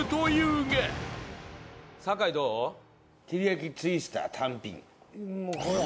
やきツイスター単品。